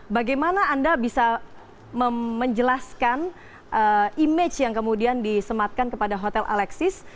bagaimana anda bisa menjelaskan image yang kemudian disematkan kepada hotel alexis